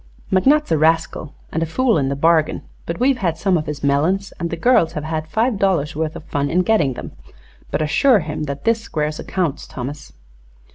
McNutt's a rascal, and a fool in the bargain; but we've had some of his melons and the girls have had five dollars' worth of fun in getting them. But assure him that this squares accounts, Thomas."